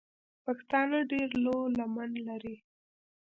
پښتانه ډېره لو لمن لري.